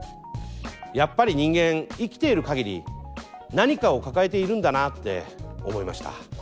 やっぱり人間生きている限り何かを抱えているんだなって思いました。